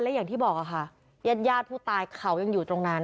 แหละที่บอกนะคะญาติผู้ตายเขายังอยู่ตรงนั้น